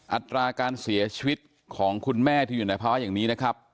อัตราการเสียชีวิตของคุณแม่ที่อยู่ในภาวะอย่างนี้นะครับ